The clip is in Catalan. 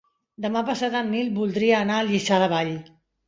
Demà passat en Nil voldria anar a Lliçà de Vall.